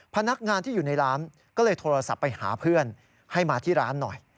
พนักงานที่อยู่ในร้านก็เลยโทรศัพท์ไปหาเพื่อนให้มาที่ร้านหน่อย